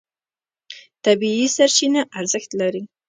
طبیعي سرچینه ارزښت لري.